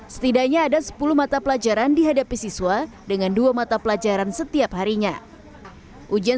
setidaknya ada sepuluh mata pelajaran dihadapi siswa dengan dua mata pelajaran setiap harinya ujian